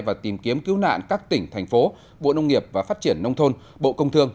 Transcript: và tìm kiếm cứu nạn các tỉnh thành phố bộ nông nghiệp và phát triển nông thôn bộ công thương